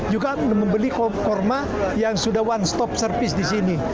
juga membeli kurma yang sudah one stop service di sini